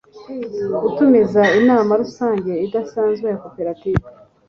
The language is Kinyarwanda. gutumiza inama rusange idasanzwe ya koperative